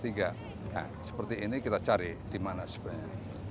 nah seperti ini kita cari di mana sebenarnya